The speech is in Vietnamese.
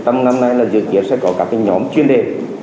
tâm năm nay là dự kiến sẽ có các cái nhóm chuyên đề